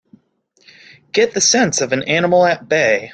Get the sense of an animal at bay!